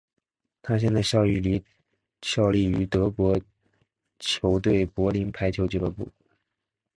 他现在效力于德国球队柏林排球俱乐部。